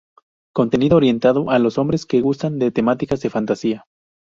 Contenido orientado a los hombres que gustan de temáticas de fantasía.